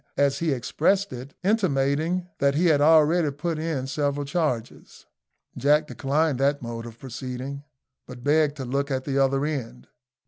as he expressed it, intimating that he had already put in several charges. Jack declined that mode of proceeding, but begged to look at the other end.